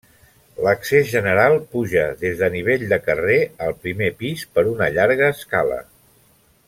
L'accés general puja des de nivell de carrer al primer pis per una llarga escala.